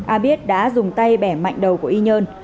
a biết đã dùng tay bẻ mạnh đầu của y nhơn